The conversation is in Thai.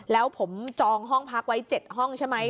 แล้วผมจองห้องพักไว้๗ห้องใช่ไหม